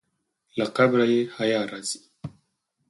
له قبره یې حیا راځي.